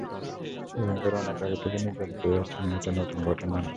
রোহিঙ্গারা অনেক দিন আগে থেকেই নির্যাতিত হয়ে আসছে, এটা নতুন ঘটনা নয়।